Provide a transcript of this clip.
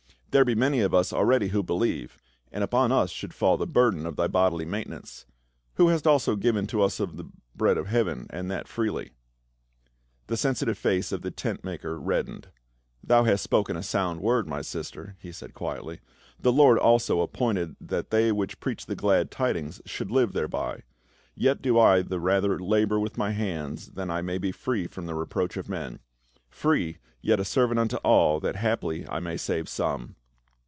There be many of us already who believe, and upon us should fall the burden of thy bodily maintenance — who hast also given to us of the bread of heaven, and that freely." The sensitive face of the tcnt makcr reddened, "Thou hast spoken a sound word, my sister," he said quietly. " The Lord also appointed that they which preach the glad tidings should live thereby ; yet do I the rather labor with my hands that I may be free from the reproach of men — free, yet a servant unto all, that haply I may save some."